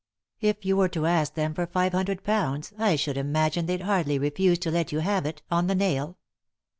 If you were to ask them for five hundred pounds I should imagine they'd hardly refuse to let yon have it, on the nail."